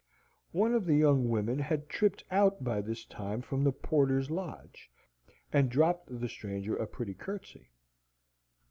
One of the young women had tripped out by this time from the porter's lodge, and dropped the stranger a pretty curtsey.